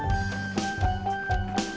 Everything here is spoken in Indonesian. masih akan miring